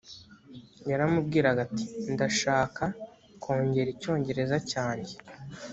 yaramubwiraga ati ndashaka kongera icyongereza cyanjye .